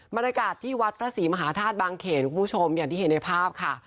บรรยากาศที่วัดพระศรีมหาธาตุบางเขนคุณผู้ชมอย่างที่เห็นในภาพค่ะ